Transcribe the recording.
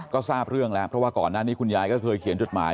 ก็ทราบเรื่องแล้วเพราะว่าก่อนหน้านี้คุณยายก็เคยเขียนจดหมาย